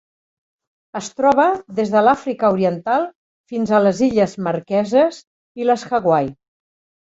Es troba des de l'Àfrica Oriental fins a les Illes Marqueses i les Hawaii.